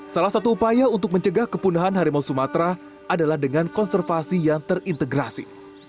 salah satu upaya untuk mencegah kepunahan harimau sumatera adalah dengan konservasi yang terintegrasi